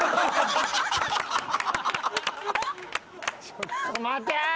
ちょっと待て！